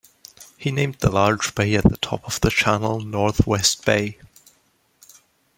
He named the large bay at the top of the channel North West Bay.